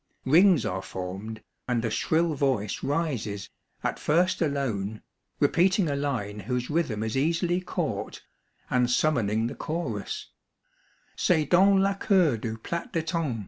Rings are formed, and a shrill voice rises, at first alone, repeating a line whose rhythm is easily caught, and summoning the chorus :—" C'est dans la cour du Plat d'£tain."